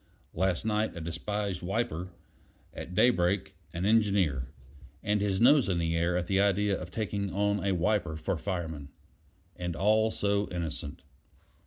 Last night a despised wiper; at daybreak, an engineer; and his nose in the air at the idea of taking on a wiper for fireman. And all so innocent.